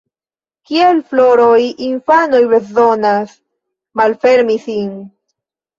Kiel floroj, infanoj bezonas ‘malfermi’ sin.